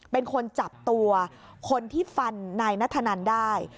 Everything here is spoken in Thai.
เป็นคนจับตัวคนที่ฟันนายนัทธนันได้